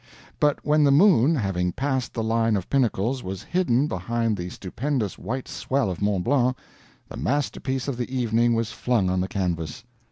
But when the moon, having passed the line of pinnacles, was hidden behind the stupendous white swell of Mont Blanc, the masterpiece of the evening was flung on the canvas.